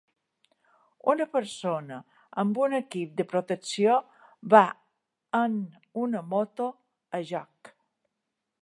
Una persona amb un equip de protecció va en una moto a joc.